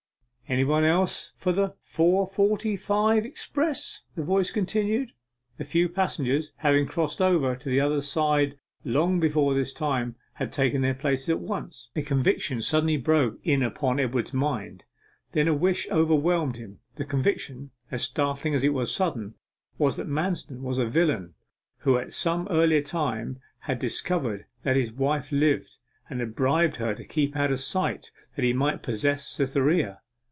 'Anybody else for the four forty five express?' the voice continued. The few passengers, having crossed over to the other side long before this time, had taken their places at once. A conviction suddenly broke in upon Edward's mind; then a wish overwhelmed him. The conviction as startling as it was sudden was that Manston was a villain, who at some earlier time had discovered that his wife lived, and had bribed her to keep out of sight, that he might possess Cytherea.